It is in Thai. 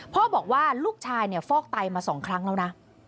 บอกว่าลูกชายฟอกไตมา๒ครั้งแล้วนะ